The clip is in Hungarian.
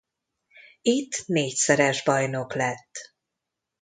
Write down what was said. Itt négyszeres bajnok lett.